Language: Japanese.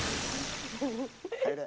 入れ。